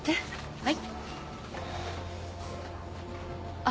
はい。